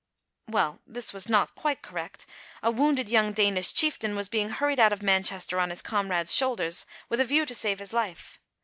Well, this was not quite correct. A wounded young Danish chieftain was being hurried out of Manchester on his comrade's shoulders, with a view to save his life.